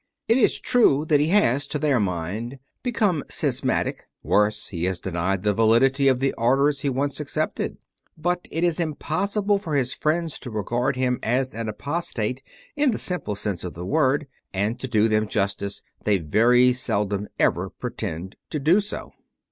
It is true that he has, to their mind, become "schismatic"; worse, he has denied the validity of the Orders he once accepted; but it is impossible for his friends to regard him as an apostate in the simple sense of the word, and, to do them justice, they very seldom ever pretend do so.